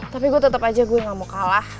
tapi gue tetap aja gue gak mau kalah